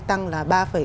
tăng là ba ba mươi bảy